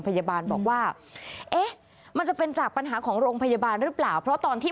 พาพนักงานสอบสวนสนราชบุรณะพาพนักงานสอบสวนสนราชบุรณะพาพนักงานสอบสวนสนราชบุรณะ